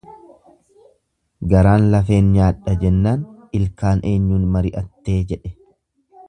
Garaan lafeen nyaadha jennaan, ilkaan eenyuun mari'attee jedhe.